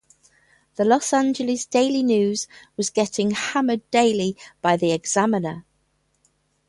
The "Los Angeles Daily News" was getting hammered daily by the "Examiner".